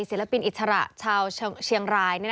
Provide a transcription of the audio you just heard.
ศิลปินอิสระชาวเชียงราย